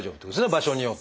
場所によっては。